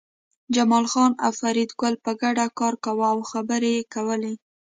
جمال خان او فریدګل په ګډه کار کاوه او خبرې یې کولې